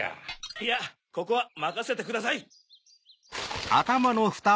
いやここはまかせてください。